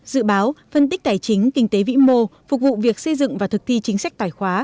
dự báo phân tích tài chính kinh tế vĩ mô phục vụ việc xây dựng và thực thi chính sách tài khóa